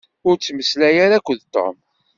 Ur ttmeslay ara akked Tom.